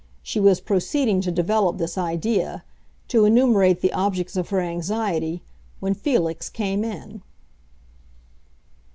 She was proceeding to develop this idea, to enumerate the objects of her anxiety, when Felix came in.